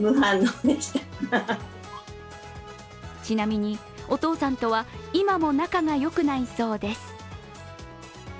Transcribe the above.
ちなみに、お父さんとは今も仲が良くないそうです。